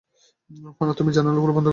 ফনা, তুমি জানালাগুলো বন্ধ করো।